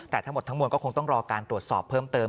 แต่ทั้งหมดทั้งมวลก็คงต้องรอการตรวจสอบเพิ่มเติม